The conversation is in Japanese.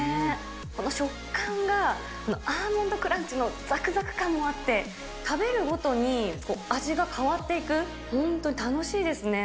この食感がアーモンドクランチのざくざく感もあって、食べるごとに味が変わっていく、本当に楽しいですね。